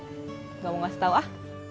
tidak mau ngasih tau ah